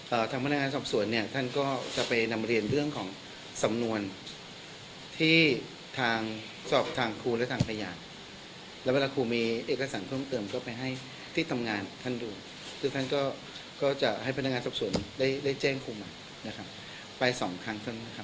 ทางพนักงานสอบสวนเนี่ยท่านก็จะไปนำเรียนเรื่องของสำนวนที่ทางสอบทางครูและทางพยานแล้วเวลาครูมีเอกสารเพิ่มเติมก็ไปให้ที่ทำงานท่านดูคือท่านก็ก็จะให้พนักงานสอบสวนได้ได้แจ้งครูมานะครับไปสองครั้งเท่านั้นครับ